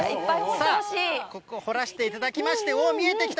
さあ、ここ掘らしていただきまして、おー、見えてきた。